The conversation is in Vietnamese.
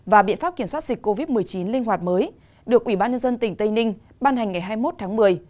và biện pháp kiểm soát dịch covid một mươi chín linh hoạt mới được ủy ban nhân dân tỉnh tây ninh ban hành ngày hai mươi một tháng một mươi